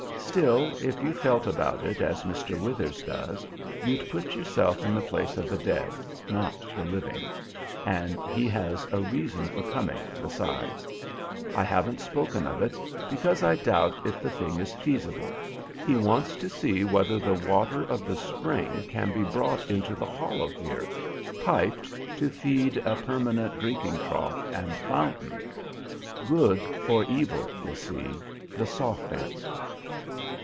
"Still, if you felt about it as Mr. Withers does, you'd put yourself in the place of the dead, not the living; and he has a reason for coming, besides. I haven't spoken of it, because I doubt if the thing is feasible. He wants to see whether the water, of the spring can be brought into the hollow here piped, to feed a permanent drinking trough and fountain. Good for evil, you see the soft answer."